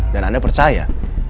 dan anda percaya